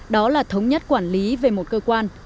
đó là thống nhất quản lý về một cơ quan